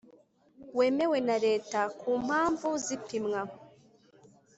Wemewe na leta ku mpamvu z ipimwa